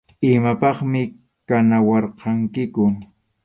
Imapaqmi kanawarqankiku.